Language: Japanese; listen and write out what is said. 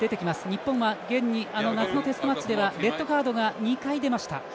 日本は現に夏のテストマッチではレッドカードが２回出ました。